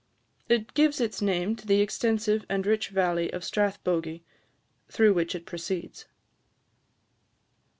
It gives its name to the extensive and rich valley of Strathbogie, through which it proceeds.